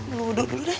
duduk dulu deh